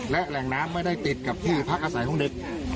และแหล่งน้ำไม่ได้ติดกับที่พักอาศัยของเด็ก